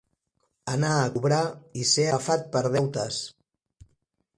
Anar a cobrar i ser agafat per deutes.